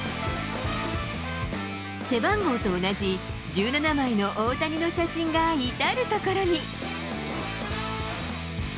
背番号と同じ、１７枚の大谷の写真が至る所に。